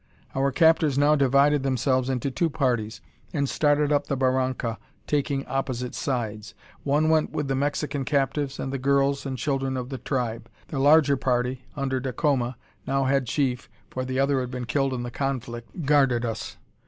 Our captors now divided themselves into two parties, and started up the barranca, taking opposite sides. One went with the Mexican captives and the girls and children of the tribe. The larger party, under Dacoma now head chief, for the other had been killed in the conflict guarded us.